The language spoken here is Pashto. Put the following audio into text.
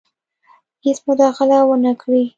هیڅ مداخله ونه کړي.